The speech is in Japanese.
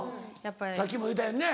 さっきも言うたよね。